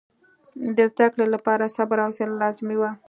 د زده کړې لپاره صبر او حوصله لازمي وه.